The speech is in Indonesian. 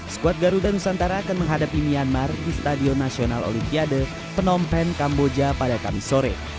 skuad garuda nusantara akan menghadapi myanmar di stadion nasional olimpiade penom penh kamboja pada kamis sore